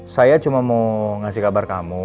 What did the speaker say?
saya cuma mau ngasih kabar kamu